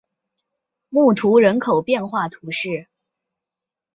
穆图人口变化图示